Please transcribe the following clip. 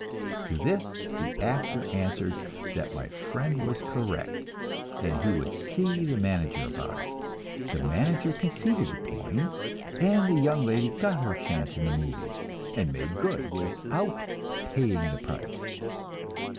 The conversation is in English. To this the actor answered that my friend was correct, and he would see the manager about it. The manager conceded the point, and the young lady got her chance in the "movies" and made good without "paying the price."